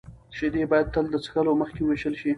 شیدې باید تل د څښلو مخکې ویشول شي.